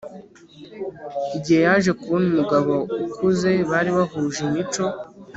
igihe yaje kubona umugabo ukuze bari bahuje imico